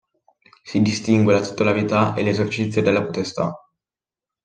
Si distingue la titolarità e l'esercizio della potestà.